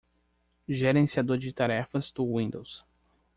Gerenciados de tarefas do Windows.